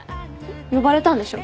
呼ばれたんでしょ？